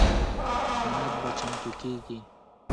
سند به چمتو کیږي.